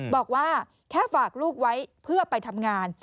บอกว่าแค่ฝากลูกไว้เพื่อไปทำงาน